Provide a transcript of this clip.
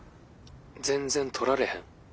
全然取られへん。